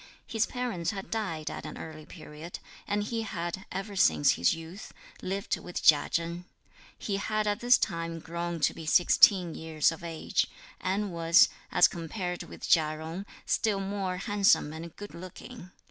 His parents had died at an early period, and he had, ever since his youth, lived with Chia Chen. He had at this time grown to be sixteen years of age, and was, as compared with Chia Jung, still more handsome and good looking.